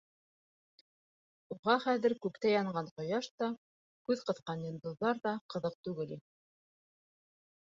Уға хәҙер күктә янған ҡояш та, күҙ ҡыҫҡан йондоҙҙар ҙа ҡыҙыҡ түгел ине.